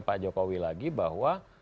pak jokowi lagi bahwa